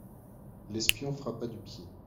L'espion frappa du pied.